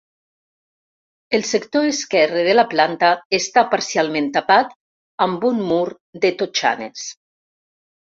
El sector esquerre de la planta està parcialment tapat amb un mur de totxanes.